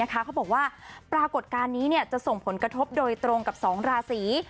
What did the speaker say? เขาบอกว่าปรากฏการณ์นี้จะส่งผลกระทบโดยตรงกับ๒ราศี